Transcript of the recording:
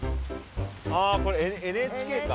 ああこれＮＨＫか。